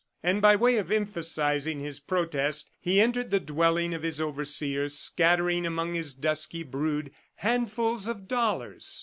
And by way of emphasizing his protest, he entered the dwelling of his overseer, scattering among his dusky brood handfuls of dollars.